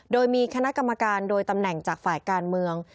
โดยมีคณะกรรมการโดยตำแหน่งจากฝ่ายการเมือง